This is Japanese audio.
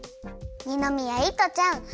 二宮衣都ちゃん